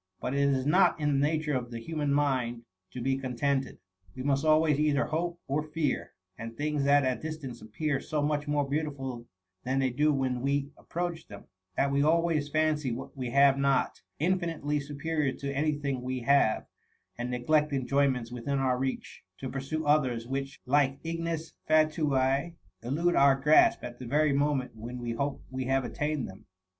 But it is not in the nature of the human mind, to be contented: we must always either hope or fear; and things at a distance appear so much more beautiful than they do when we approach them, that we always fancy what we have not, infinitely superior to any thing we have ; and neglect enjoyments within our reach, to pursue others, which, like ignes fatui, elude our grasp at the very moment when we hope we have attained them.